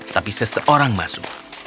tapi seseorang masuk